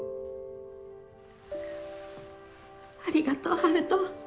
ありがとう陽斗。